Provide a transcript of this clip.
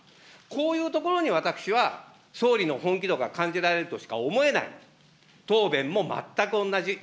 こういうところに私は総理の本気度が感じられないとしか思えない、答弁も全く同じ。